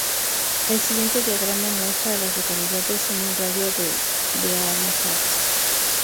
El siguiente diagrama muestra a las localidades en un radio de de Halifax.